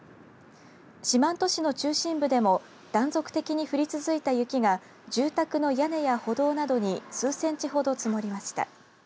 四万十市の中心部でも断続的に降り続いた雪が住宅の屋根や歩道などに数センチ程積もりました。